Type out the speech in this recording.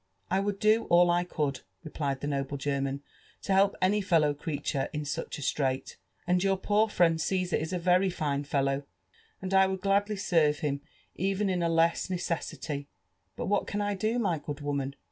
I would do all I eould," rcpliM the noble OerntD^ '' to hdpny felloW'Creatare in mich a »irail; and youf poor friend Caaar ita vny fine fellow, and I woilM gladly acrte him even in a lesa neceasilY : hK whal can I do, my good IToman